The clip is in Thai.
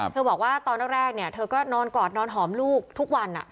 บอกว่าตอนแรกเนี่ยเธอก็นอนกอดนอนหอมลูกทุกวัน